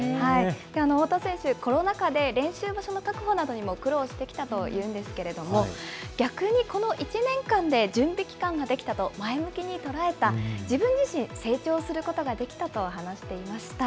太田選手、コロナ禍で練習場所の確保などにも苦労してきたというんですけれども、逆にこの１年間で準備期間が出来たと、前向きに捉えた、自分自身、成長することができたと話していました。